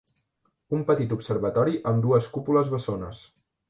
Un petit observatori amb dues cúpules bessones